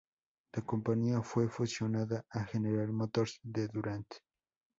La compañía fue fusionada a General Motors de Durant.